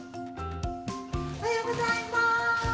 おはようございます。